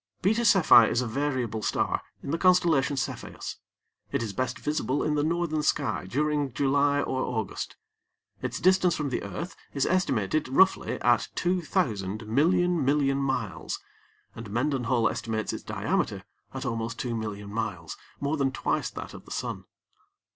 Beta Cephei is a variable star in the Constellation Cepheus. It is best visible in the northern sky during July or August. Its distance from the earth is estimated roughly at 2,000,000,000,000,000 miles, and Mendenhall estimates its diameter at almost 2,000,000 miles, more than twice that of the sun.